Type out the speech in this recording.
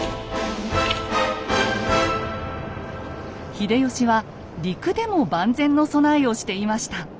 秀吉は陸でも万全の備えをしていました。